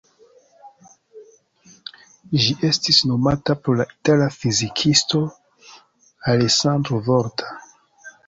Ĝi estis nomata pro la itala fizikisto Alessandro Volta.